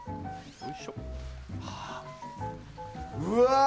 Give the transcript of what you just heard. うわ！